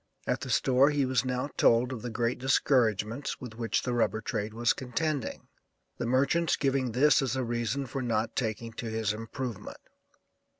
At the store he was now told of the great discouragements with which the rubber trade was contending, the merchants giving this as a reason for not taking to his improvement.